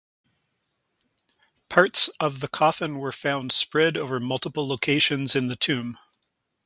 Parts of the coffin were found spread over multiple locations in the tomb.